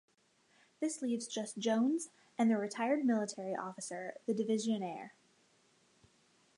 This leaves just Jones and the retired military officer, the Divisionnaire.